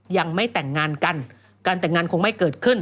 ยังไม่แต่งงานกันการแต่งงานคงไม่เกิดขึ้น